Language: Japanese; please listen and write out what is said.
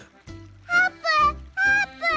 あーぷんあーぷん！